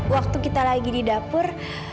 waktu kita lagi di dapur